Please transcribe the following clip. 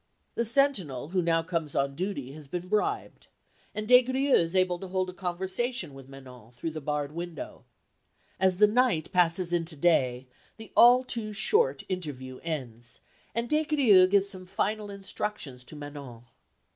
The sentinel who now comes on duty has been bribed, and Des Grieux is able to hold a conversation with Manon through the barred window. As the night passes into day, the all too short interview ends, and Des Grieux gives some final instructions to Manon.